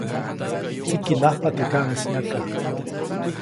Tsikiʼnajpa teʼ kaʼŋis nyaka.